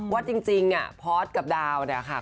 ว่าจริงอะพอดกับดาวนะค่ะ